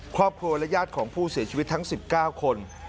ครอบครัวและญาติของผู้เสียชีวิตทั้ง๑๙คน